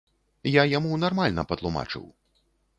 Я яму нармальна патлумачыў.